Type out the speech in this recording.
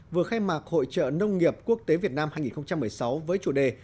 vừa khai mạc hội trợ nông nghiệp quốc tế việt nam hai nghìn một mươi sáu với chủ đề